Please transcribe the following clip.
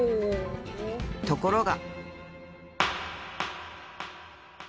［ところが］